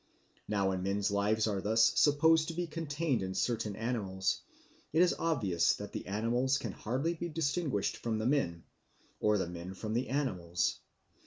Now, when men's lives are thus supposed to be contained in certain animals, it is obvious that the animals can hardly be distinguished from the men, or the men from the animals.